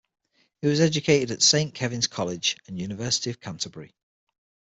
He was educated at Saint Kevin's College and University of Canterbury.